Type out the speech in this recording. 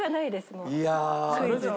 もうクイズで。